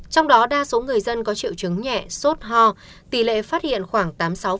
trong đó đa số người dân có triệu chứng nhẹ sốt ho tỷ lệ phát hiện khoảng tám mươi sáu